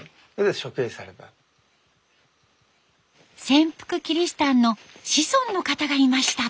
潜伏キリシタンの子孫の方がいました。